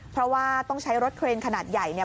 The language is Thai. เพราะว่าต้องใช้รถเครนขนาดใหญ่เนี่ย